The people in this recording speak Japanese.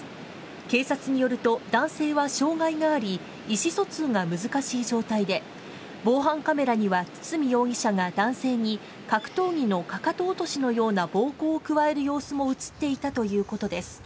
警察によると、男性は障害があり、意思疎通が難しい状態で、防犯カメラには、堤容疑者が男性に格闘技のかかと落としのような暴行を加える様子も写っていたということです。